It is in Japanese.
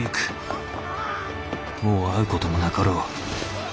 もう会うこともなかろう。